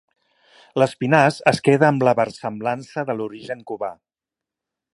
L'Espinàs es queda amb la versemblança de l'origen cubà.